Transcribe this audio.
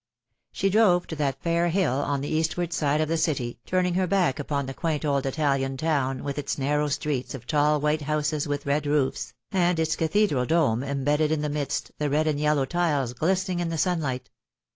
She drove to that fair hill on the eastward side of the city, turning her back upon the quaint old Italian town, with its narrow streets of tall white houses with red roofs, and its Cathedral dome embedded in the midst, the red and yellow tiles glistening in the sunlight.